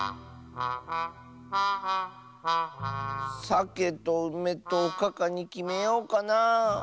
さけとうめとおかかにきめようかなあ。